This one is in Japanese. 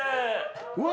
うわ！